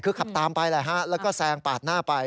คือขับตามไปแล้วก็แสงปากหน้าไป